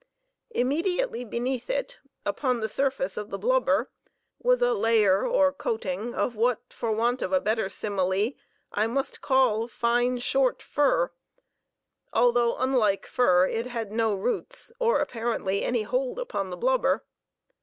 Immediately beneath it, upon the surface of the blubber, was a layer or coating of what for want of a better simile I must call fine, short fur, although unlike fur it had no roots or apparently any hold upon the blubber.